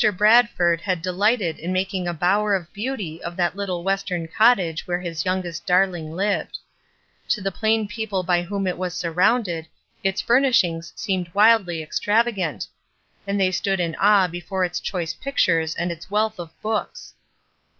Bradford had delighted in mak ing a bower of beauty of that little western cottage where his youngest darling lived. To SACRIFICE 25 the plain people by whom it was surrounded, its furnishings seemed wildly extravagant; and they stood in awe before its choice pic tures and its wealth of books.